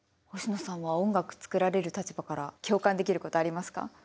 星野さんは音楽作られる立場から共感できることありますか？